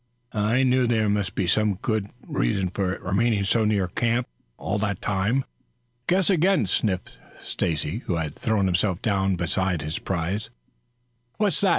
"I knew there must be some good reason for its remaining so near camp all that time." "Guess again," sniffed Stacy, who had thrown himself down beside his prize. "What's that?"